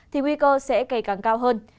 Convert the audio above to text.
thì nguy cơ sẽ càng cao hơn